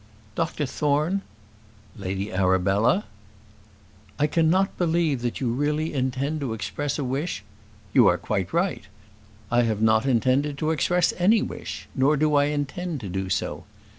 "Dr Thorne " "Lady Arabella " "I cannot believe that you really intend to express a wish " "You are quite right. I have not intended to express any wish; nor do I intend to do so.